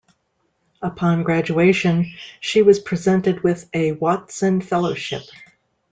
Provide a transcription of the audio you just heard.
Upon graduation, she was presented with a Watson Fellowship.